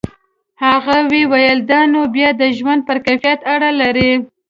هغه وویل دا نو بیا د ژوند پر کیفیت اړه لري.